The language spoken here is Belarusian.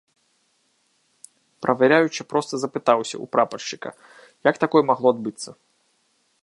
Правяраючы проста запытаўся ў прапаршчыка, як такое магло адбыцца.